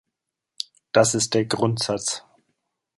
Das ist der Grundsatz.